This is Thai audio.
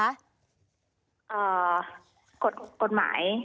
อ่ากฎหมาย